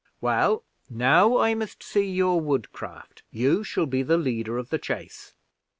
Well, now I must see your woodcraft. You shall be the leader of the chase."